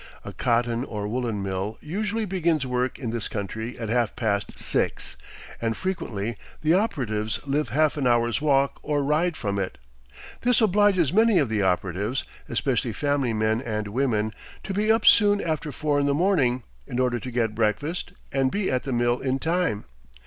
A cotton or woolen mill usually begins work in this country at half past six, and frequently the operatives live half an hour's walk or ride from it. This obliges many of the operatives, especially family men and women, to be up soon after four in the morning, in order to get breakfast, and be at the mill in time.